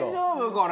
これ。